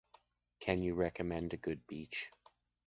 Can you recommend a good beach?